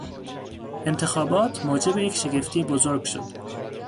انتخابات موجب یک شگفتی بزرگ شد.